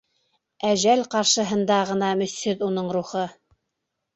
Әжәл ҡаршыһында ғына мөсһөҙ уның рухы.